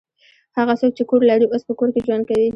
هغه څوک چې کور لري اوس په کور کې ژوند کوي.